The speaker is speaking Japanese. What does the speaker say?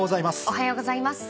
おはようございます。